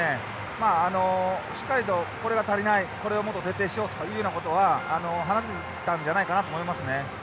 まあしっかりとこれが足りないこれをもっと徹底しようとかいうようなことは話せたんじゃないかなと思いますね。